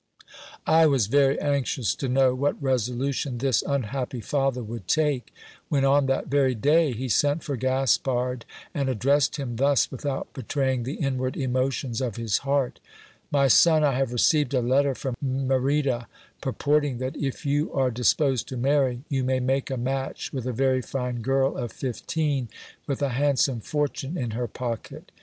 I was very anxious to know what resolution this unhappy father would take, when on that very day he sent for Gaspard, and addressed him thus without betraying the inward emotions of his heart : My son, I have received a letter from Merida, purporting that if you are disposed to many, you may make a match with a very fine girl of fifteen, with a handsome fortune in her pocket.